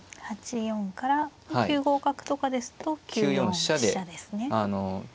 ８四から９五角とかですと９四飛車ですね。